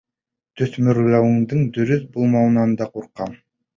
Төҫмөрләүемдең дөрөҫ булыуынан да ҡурҡам.